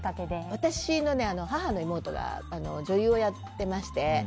私の母の妹が女優をやっていまして。